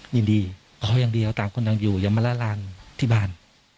ยินดีเขายังดีเอาตามคนนั้นอยู่อย่ามาละลานที่บ้าน